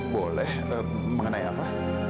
boleh mengenai apa